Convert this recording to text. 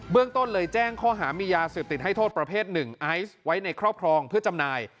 เรื่องต้นเลยแจ้งข้อหามียาเสพติดให้โทษประเภทหนึ่งไอซ์ไว้ในครอบครองเพื่อจำหน่าย